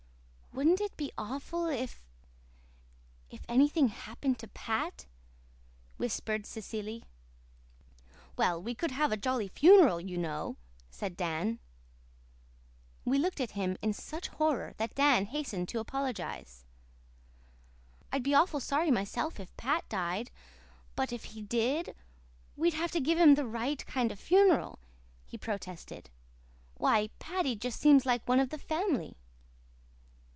"Wouldn't it be awful if if anything happened to Pat?" whispered Cecily. "Well, we could have a jolly funeral, you know," said Dan. We looked at him in such horror that Dan hastened to apologize. "I'd be awful sorry myself if Pat died. But if he DID, we'd have to give him the right kind of a funeral," he protested. "Why, Paddy just seems like one of the family."